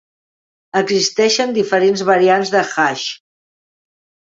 Existeixen diferents variants de "hash".